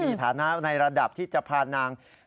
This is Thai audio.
มีฐานะในระดับที่จะพานาง